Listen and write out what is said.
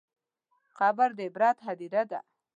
قبر د عبرت هدیره ده.